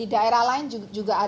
apakah ada depengannya